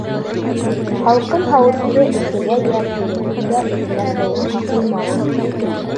Һалҡын һауытты эҫегә йә, киреһенсә, эҫенән һыуыҡҡа ҡуймағыҙ.